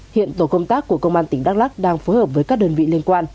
hiện tổ công tác của công an tỉnh đắk lắc đang phối hợp với các đơn vị liên quan